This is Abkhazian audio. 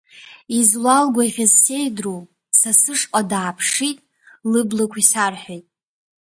Излалгәаӷьыз сеидру, са сышҟа дааԥшит, лыблақәа исарҳәеит…